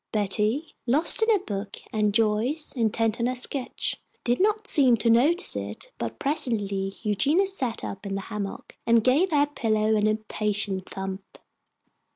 Betty, lost in her book, and Joyce, intent on her sketch, did not seem to notice it, but presently Eugenia sat up in the hammock and gave her pillow an impatient thump.